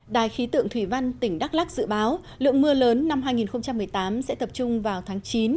đài khí tượng thủy văn tỉnh đắk lắc dự báo lượng mưa lớn năm hai nghìn một mươi tám sẽ tập trung vào tháng chín